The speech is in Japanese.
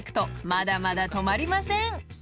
［まだまだ止まりません］